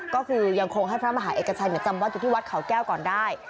ก็คือยังคงให้พระมหาเอกชัยจำวัดอยู่ที่วัดเขาแก้วก่อนได้